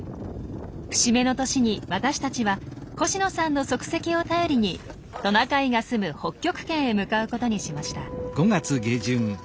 節目の年に私たちは星野さんの足跡を頼りにトナカイがすむ北極圏へ向かうことにしました。